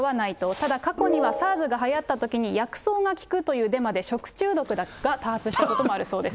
ただ、過去にはＳＡＲＳがはやったときに、薬草が効くという、デマで食中毒が多発したこともあるそうです。